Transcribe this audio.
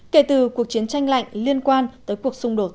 kể từ cuộc chiến tranh lạnh liên quan tới cuộc xung đột